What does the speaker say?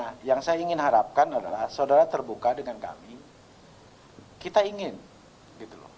nah yang saya ingin harapkan adalah saudara terbuka dengan kami kita ingin gitu loh